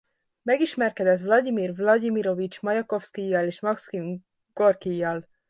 Megismerkedett Vlagyimir Vlagyimirovics Majakovszkijjal és Makszim Gorkijjal.